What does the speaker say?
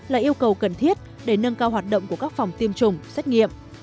là yêu cầu cần thiết để nâng cao hoạt động của các phòng tiêm chủng xét nghiệm